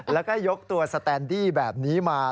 แล้วก็ยกตัวสแตนดี้แบบนี้มา